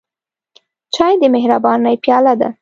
چای د مهربانۍ پیاله ده.